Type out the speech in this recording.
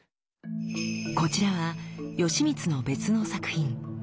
こちらは吉光の別の作品。